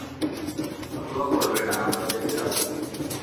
অথবা করবে না, আমরা বেচে যাব।